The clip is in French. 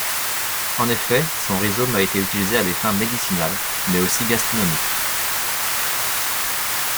En effet, son rhizome a été utilisé à des fins médicinales, mais aussi gastronomiques.